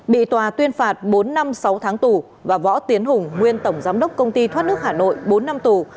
bị tòa tuyên phạt bốn năm sáu tháng tù và võ tiến hùng nguyên tổng giám đốc công ty thoát nước hà nội bốn năm tù